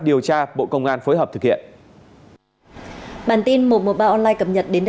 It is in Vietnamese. điều tra bộ công an phối hợp thực hiện